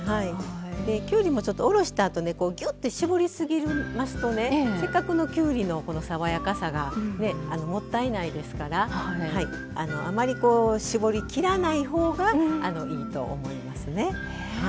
きゅうりもちょっと下ろしたあとぎゅーっと絞りすぎちゃいますとせっかくのきゅうりの爽やかさがもったいないですからあまり絞りきらないほうがいいと思いますね。